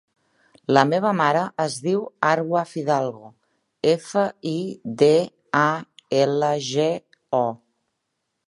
La meva mare es diu Arwa Fidalgo: efa, i, de, a, ela, ge, o.